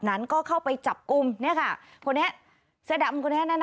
นั้นก็เข้าไปจับกุมนี้ค่ะผลเนี้ยเสด็จอบคนนี้นั่น